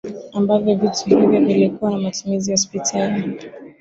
Ambavyo vitu hivyo vilikuwa kwa matumizi ya hospitali